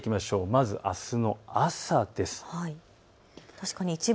まずあすの朝です。